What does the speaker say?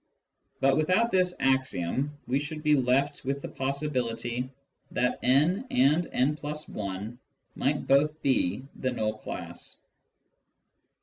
But without this axiom we should be left with the possibility that n and «+ 1 might both be the null class.